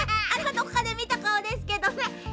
どこかでみたかおですけどね。